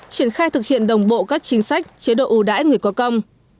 triển khai thực hiện đồng bộ các chính sách chế độ ưu đãi người có công